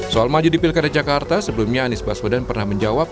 soal maju di pilkada jakarta sebelumnya anies baswedan pernah menjawab